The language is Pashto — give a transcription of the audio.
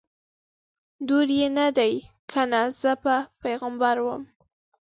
دور یې نه دی کنه زه به پیغمبره ومه